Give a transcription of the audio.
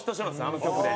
あの曲で。